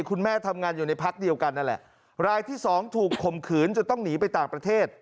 คุณแม่ทำงานอยู่ในพักเดียวกันนั่นแหละรายที่สองถูกข่มขืนจนต้องหนีไปต่างประเทศ